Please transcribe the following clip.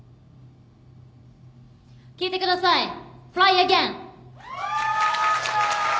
聴いてください